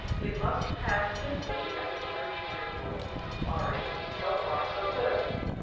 It must pass simply as a church ritual. All right; so far, so good.